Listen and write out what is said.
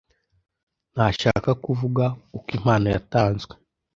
Ntashaka kuvuga uko impano yatanzwe.